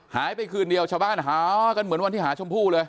หายไปคืนเดียวชาวบ้านหากันเหมือนวันที่หาชมพู่เลย